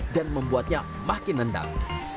dan membuatnya makin nendang